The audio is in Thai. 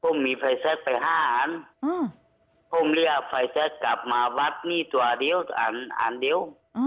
ผมมีไฟแช็คไปห้าอันอืมผมเลือกไฟแช็คกลับมาวัดนี่ตัวเดียวอันอันเดียวอ๋อ